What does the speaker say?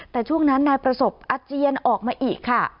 แต่ช่วงนั้นนายประสบอาเจียนออกมาอีกค่ะ